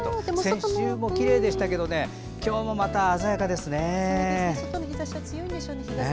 先週もきれいでしたけど今日もまた鮮やかですね。